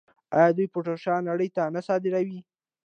آیا دوی پوټاش نړۍ ته نه صادروي؟